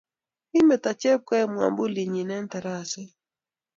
Kometo Chepkoech mambulinnyi eng' tarasetn